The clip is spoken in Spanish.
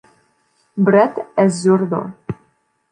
Brett es zurdo.